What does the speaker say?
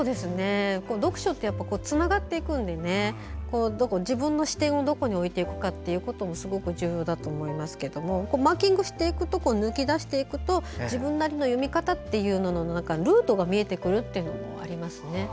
読書はつながっていくので自分の視点をどこに置いていくかすごく重要だと思いますけどマーキングしていくところを抜き出していくと自分なりの読み方のルートが見えてくるというのもありますね。